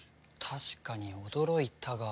確かに驚いたが。